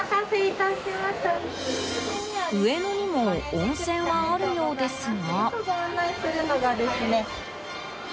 上野にも温泉はあるようですが。